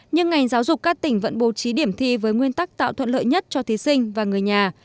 nhưng ngành giáo dục các tỉnh vẫn bố trí điểm thi với nguyên tắc tạo thuận lợi nhất cho thí sinh và người nhà